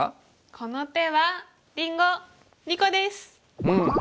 この手はりんご２個です！